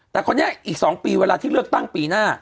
แต่คนนี้อีก๒ปีเวลาที่เลือกตั้งปีหน้า